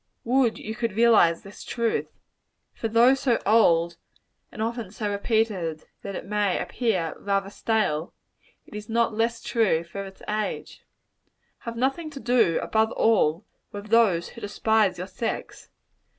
Would you could realize this truth: for though so old and so often repeated that it may appear rather stale, it is not the less true for its age. Have nothing to do, above all, with those who despise your sex.